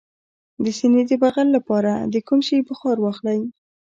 د سینې د بغل لپاره د کوم شي بخار واخلئ؟